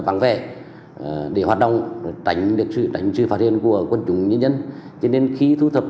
vắng vẻ để hoạt động tránh được sự đánh trừ phát hiện của quân chúng nhân dân cho nên khi thu thập